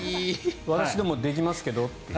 私でもできますけどって。